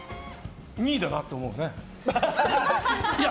２位だなって思うね。